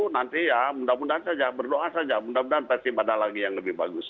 nanti ya mudah mudahan saja berdoa saja mudah mudahan pasti ada lagi yang lebih bagus